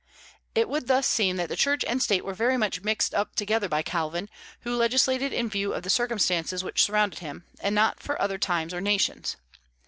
It would thus seem that Church and State were very much mixed up together by Calvin, who legislated in view of the circumstances which surrounded him, and not for other times or nations.